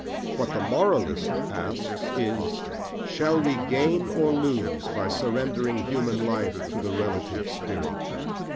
What the moralist asks is, Shall we gain or lose by surrendering human life to the relative spirit?